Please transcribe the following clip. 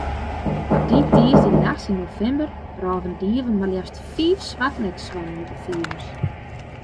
Dy tiisdeinachts yn novimber rôven dieven mar leafst fiif swartnekswannen út de fivers.